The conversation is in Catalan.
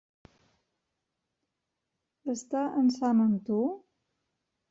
Està en Sam amb tu?